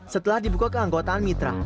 setelah dibuka ke anggotaan mitra